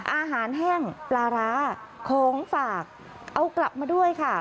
อาหารแห้งปลาร้าของฝากเอากลับมาด้วยค่ะ